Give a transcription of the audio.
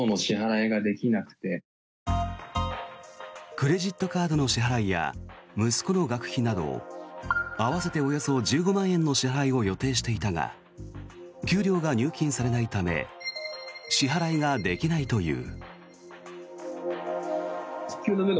クレジットカードの支払いや息子の学費など合わせておよそ１５万円の支払いを予定していたが給料が入金されないため支払いができないという。